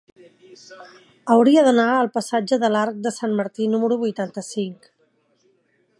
Hauria d'anar al passatge de l'Arc de Sant Martí número vuitanta-cinc.